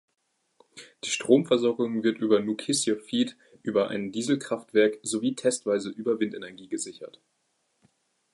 Die Stromversorgung wird von Nukissiorfiit über ein Dieselkraftwerk sowie testweise über Windenergie gesichert.